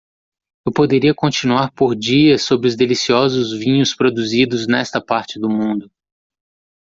Eu poderia continuar por dias sobre os deliciosos vinhos produzidos nesta parte do mundo.